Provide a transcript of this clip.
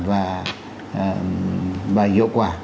và hiệu quả